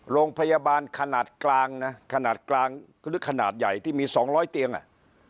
โรงพยาบาลขนาดกลางนะขนาดกลางหรือขนาดใหญ่ที่มีสองร้อยเตียงอ่ะ